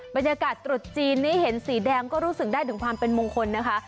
บรรยากาศตรุษจีนนี้เห็นสีแดงก็รู้สึกได้ถึงความเป็นมงคลนะคะ